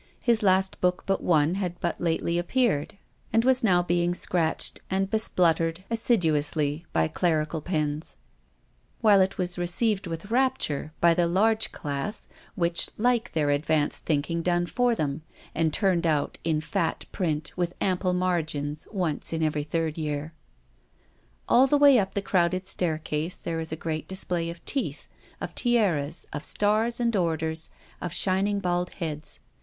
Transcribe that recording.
His last book but one had but lately appeared, and was now being scratched and bespluttered assiduously by clerical pens, while it was received with rapture by the large class which like their advanced thinking done for them and turned out in fat print with ample margins once in every third year. All the way up the crowded staircase there is a great, display of teeth, of tiaras, of stars and orders, and shining bald heads.